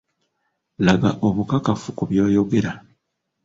Laga obukakafu ku by'oyogera.